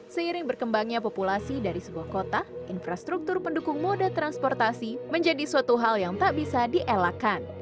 seiring berkembangnya populasi dari sebuah kota infrastruktur pendukung moda transportasi menjadi suatu hal yang tak bisa dielakkan